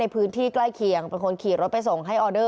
พื้นที่ใกล้เคียงเป็นคนขี่รถไปส่งให้ออเดอร์